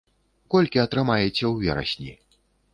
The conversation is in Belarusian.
Колькі атрымаеце ў верасні?